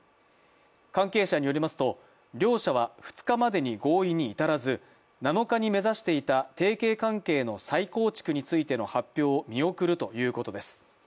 関係者によりますと両社は２日までに合意に至らず７日に目指していた提携関係の再構築についての発表を見送るということです。